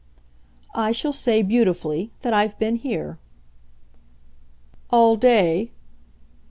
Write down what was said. "I shall say, beautifully, that I've been here." "All day?"